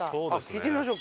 行きましょう。